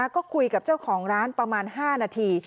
ก็คุยกับเจ้าของร้านประมาณ๕นาที